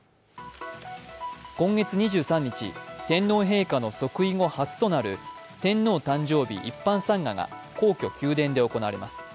今月２３日、天皇陛下の即位後初となる天皇誕生日一般参賀が皇居・宮殿で行われます。